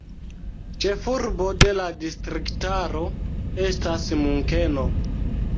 Ĉefurbo de la distriktaro estas Munkeno.